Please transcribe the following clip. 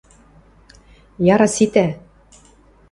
— Яра, ситӓ.